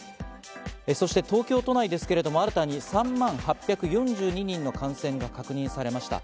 そして東京都内、新たに３万８４２人の感染が確認されました。